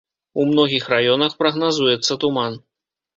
У многіх раёнах прагназуецца туман.